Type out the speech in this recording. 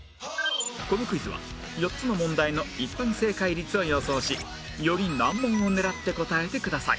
このクイズは４つの問題の一般正解率を予想しより難問を狙って答えてください